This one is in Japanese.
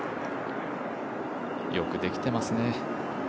よくできていますね。